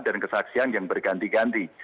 dan kesaksian yang berganti ganti